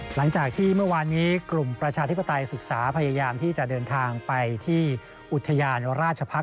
หลังจากที่เมื่อวานนี้กลุ่มประชาธิปไตยศึกษาพยายามที่จะเดินทางไปที่อุทยานราชพักษ